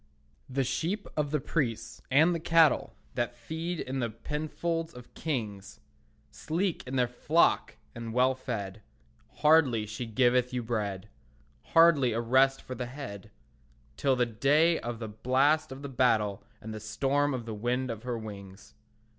The sheep of the priests, and the cattle That feed in the penfolds of kings, Sleek is their flock and well fed; Hardly she giveth you bread, Hardly a rest for the head, Till the day of the blast of the battle And the storm of the wind of her wings.